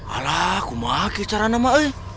alaikum maki cara namanya